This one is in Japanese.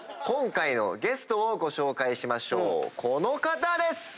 今回のゲストをご紹介しましょうこの方です！